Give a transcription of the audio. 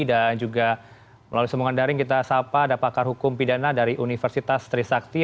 juga melalui semuanya daring kita sapa ada pakar hukum pidana dari universitas trisakti